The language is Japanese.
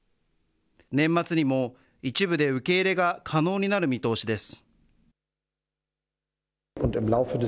年末にも一部で受け入れが可能になる見通しです。